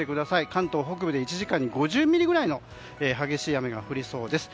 関東北部で１時間に５０ミリぐらいの激しい雨が降りそうです。